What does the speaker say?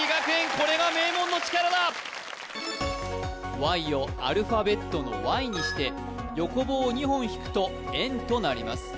これが名門の力だ「ワイ」をアルファベットの「Ｙ」にして横棒２本引くと「￥」となります